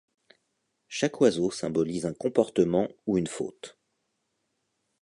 Chaque oiseau symbolise un comportement ou une faute.